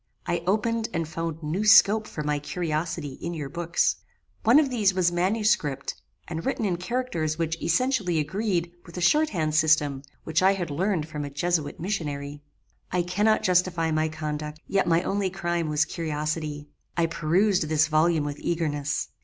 I opened and found new scope for my curiosity in your books. One of these was manuscript, and written in characters which essentially agreed with a short hand system which I had learned from a Jesuit missionary. "I cannot justify my conduct, yet my only crime was curiosity. I perused this volume with eagerness.